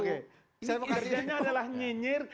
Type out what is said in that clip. kerjanya adalah nyinyir